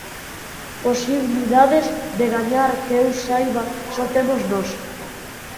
Posibilidades de gañar que eu saiba só temos nós.